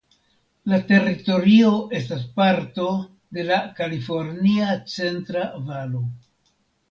La teritorio estas parto de la Kalifornia Centra Valo.